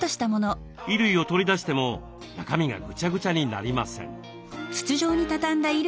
衣類を取り出しても中身がぐちゃぐちゃになりません。